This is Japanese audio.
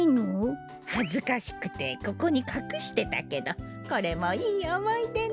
はずかしくてここにかくしてたけどこれもいいおもいでね。